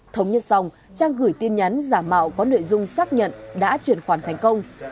thống nhất xong trang gửi tin nhắn giả mạo có nội dung xác nhận đã chuyển khoản thành công